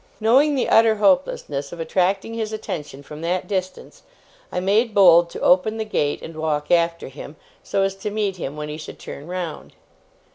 Knowing the utter hopelessness of attracting his attention from that distance, I made bold to open the gate, and walk after him, so as to meet him when he should turn round.